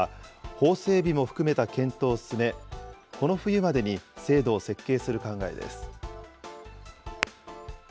経済産業省は、法整備も含めた検討を進め、この冬までに制度を設計する考えです。